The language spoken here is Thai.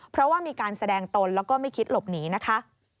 เพราะว่ามีการแสดงตนแล้วก็ไม่คิดหลบหนีนะคะ